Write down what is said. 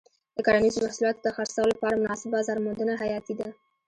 د کرنیزو محصولاتو د خرڅلاو لپاره مناسب بازار موندنه حیاتي ده.